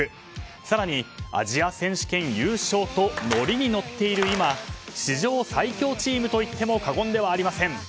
更に、アジア選手権優勝とノリに乗っている今史上最強チームといっても過言ではありません。